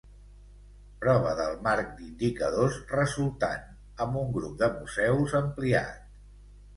Prova del marc d'indicadors resultant, amb un grup de museus ampliat.